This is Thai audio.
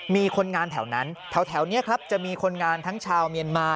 มีคนงานแถวนั้นแถวนี้ครับจะมีคนงานทั้งชาวเมียนมา